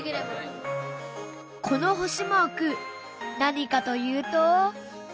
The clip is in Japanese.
この星マーク何かというと。